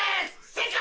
正解！